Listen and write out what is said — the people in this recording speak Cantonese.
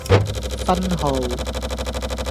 分號